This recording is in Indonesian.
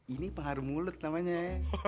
ini pahar mulut namanya ya